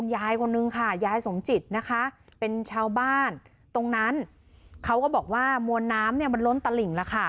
ยายคนนึงค่ะยายสมจิตนะคะเป็นชาวบ้านตรงนั้นเขาก็บอกว่ามวลน้ำเนี่ยมันล้นตลิ่งแล้วค่ะ